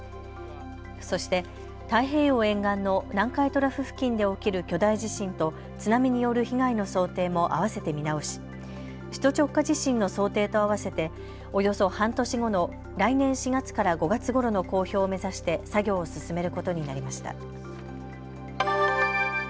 そして、太平洋沿岸の南海トラフ付近で起きる巨大地震と津波による被害の想定もあわせて見直し、首都直下地震の想定とあわせておよそ半年後の来年４月から５月ごろの公表を目指して作業を進めることになりました。